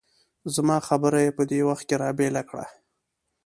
زما خبره یې په دې وخت کې را بېل کړه.